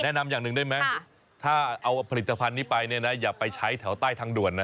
แนะนำอย่างหนึ่งได้ไหมถ้าเอาผลิตภัณฑ์นี้ไปเนี่ยนะอย่าไปใช้แถวใต้ทางด่วนนะ